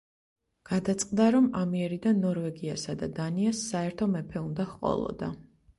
გადაწყდა, რომ ამიერიდან ნორვეგიასა და დანიას საერთო მეფე უნდა ჰყოლოდა.